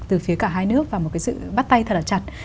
từ phía cả hai nước và một cái sự bắt tay thật là chặt